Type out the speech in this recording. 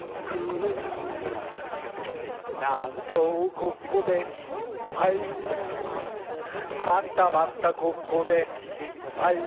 ここでしっぱい」「またまたここでしっぱい」